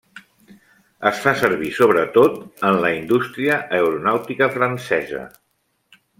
Es fa servir sobretot en la indústria aeronàutica francesa.